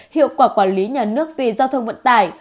hiệu quả quản lý nhà nước về giao thông vận tải